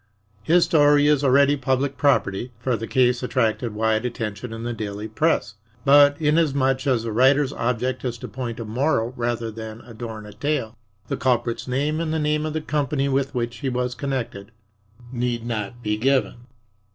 His story is already public property, for the case attracted wide attention in the daily press; but, inasmuch as the writer's object is to point a moral rather than adorn a tale, the culprit's name and the name of the company with which he was connected need not be given.